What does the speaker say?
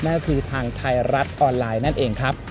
นั่นก็คือทางไทยรัฐออนไลน์นั่นเองครับ